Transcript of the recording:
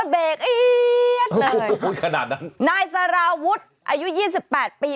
เบรกเอี๊ยดเลยโอ้โหขนาดนั้นนายสารวุฒิอายุยี่สิบแปดปี